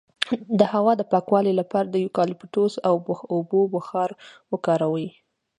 د هوا د پاکوالي لپاره د یوکالیپټوس او اوبو بخار وکاروئ